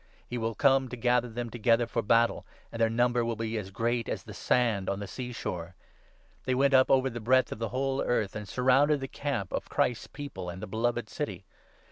He will come to gather them together for battle ; and their number will be as great as the sand on the sea shore. They 9 went up over the breadth of the whole earth, and surrounded the camp of Christ's People and the beloved city.